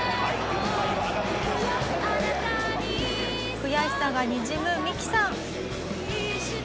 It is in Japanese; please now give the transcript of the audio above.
悔しさがにじむミキさん。